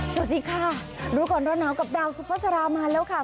สวัสดีค่ะรู้ก่อนร้อนหนาวกับดาวสุภาษามาแล้วค่ะ